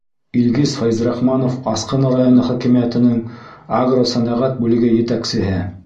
Илгиз ФӘЙЗРАХМАНОВ, Асҡын районы хакимиәтенең агросәнәғәт бүлеге етәксеһе: